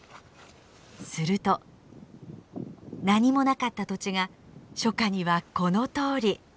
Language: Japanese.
すると何もなかった土地が初夏にはこのとおり。